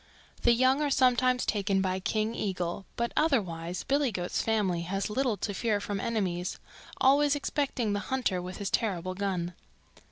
The young are sometimes taken by King Eagle, but otherwise Billy Goat's family has little to fear from enemies, always excepting the hunter with his terrible gun.